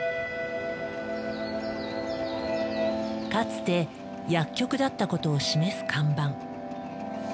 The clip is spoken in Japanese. かつて薬局だったことを示す看板。